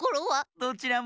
どちらも。